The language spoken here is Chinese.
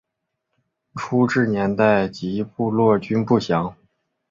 初置年代及部落均不详。